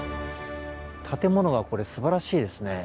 建物がこれすばらしいですね。